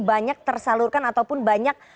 banyak tersalurkan ataupun banyak